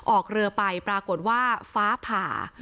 ออกเรือไปปรากฏว่าฟ้าผ่า